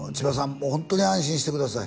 もうホントに安心してください